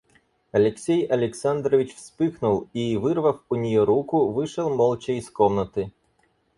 Алексей Александрович вспыхнул и, вырвав у нее руку, вышел молча из комнаты.